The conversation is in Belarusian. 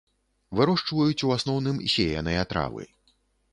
Вырошчваюць у асноўным сеяныя травы.